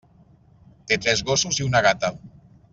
Té tres gossos i una gata.